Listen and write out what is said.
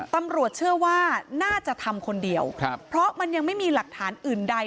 ตำรวจเชื่อว่าน่าจะทำคนเดียวครับเพราะมันยังไม่มีหลักฐานอื่นใด